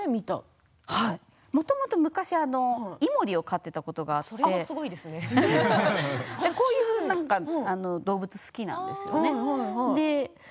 もともと昔イモリを飼っていたことがあってこういう動物好きなんですよね。